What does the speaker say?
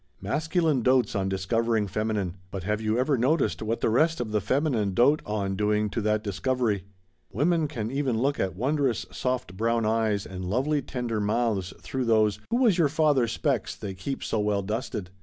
Masculine dotes on discovering feminine but have you ever noticed what the rest of the feminine dote on doing to that discovery? Women can even look at wondrous soft brown eyes and lovely tender mouths through those 'Who was your father?' 'specs' they keep so well dusted.